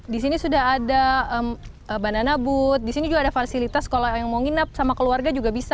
di sini sudah ada bandana but di sini juga ada fasilitas kalau yang mau nginap sama keluarga juga bisa